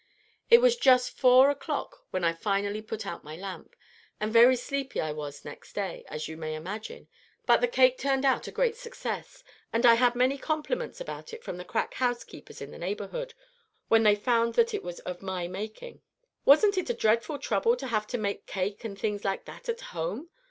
It was just four o'clock when I finally put out my lamp; and very sleepy I was next day, as you may imagine: but the cake turned out a great success, and I had many compliments about it from the crack housekeepers in the neighborhood, when they found that it was of my making." "Wasn't it a dreadful trouble to have to make cake and things like that at home?"